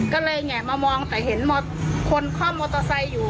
ก็เลยแงะมามองแต่เห็นคนคล่อมมอเตอร์ไซค์อยู่